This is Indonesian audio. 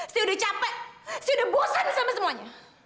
saya udah capek saya udah bosan sama semuanya